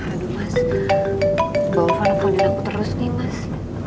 aduh mas bawa fana panggil aku terus nih mas